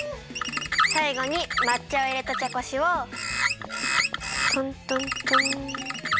さいごにまっ茶をいれたちゃこしをトントントン。